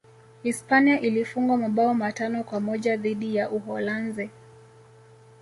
hispania ilifungwa mabao matano kwa moja dhidi ya uholanzi